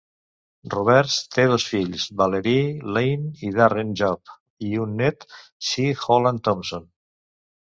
Roberts té dos fills, Valerie Lynne i Darren Job, i un net, Shea Holland Thompson.